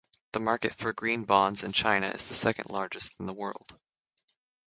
The market for green bonds in China is the second largest in the world.